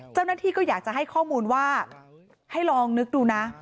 เจ้าหน้าที่ก็อยากจะให้ข้อมูลว่าให้ลองนึกดูนะ